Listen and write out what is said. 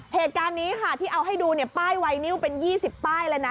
เหตุการณ์นี้ค่ะที่เอาให้ดูเนี่ยป้ายไวนิวเป็น๒๐ป้ายเลยนะ